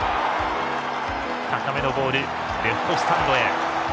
高めのボール、レフトスタンドへ。